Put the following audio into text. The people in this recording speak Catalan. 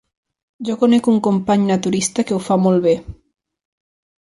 Jo conec un company naturista que ho fa molt bé.